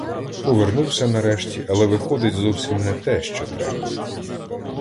Повернувся нарешті, але виходить зовсім не те, що треба.